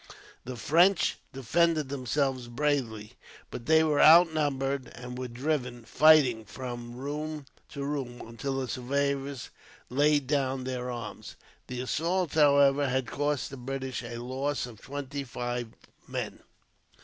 The French defended themselves bravely, but they were outnumbered and were driven, fighting, from room to room, until the survivors laid down their arms. The assault, however, had cost the British a loss of twenty five men.